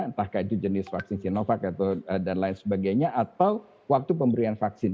entah itu jenis vaksin sinovac dan lain sebagainya atau waktu pemberian vaksin